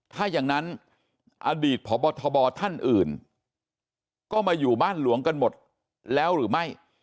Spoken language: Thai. ถ้าอย่างนั้นอดีตพบทบท่านอื่นก็มาอยู่บ้านหลวงกันหมดแล้วหรือไม่